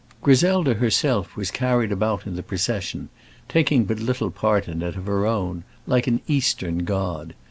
Griselda herself was carried about in the procession, taking but little part in it of her own, like an Eastern god.